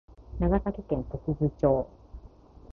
長崎県時津町